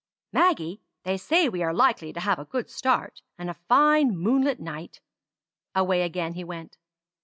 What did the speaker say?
"Maggie, they say we are likely to have a good start, and a fine moonlight night." Away again he went.